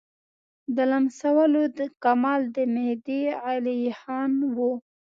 د لمسولو کمال د مهدي علیخان وو.